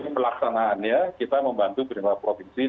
pelaksanaannya kita membantu pemerintah provinsi